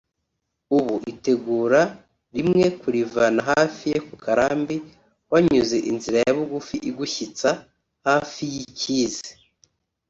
ubu itegura rimwe kurivana hafi yo ku Karambi wanyuze inzira ya bugufi igushyitsa hafi y’i Kizi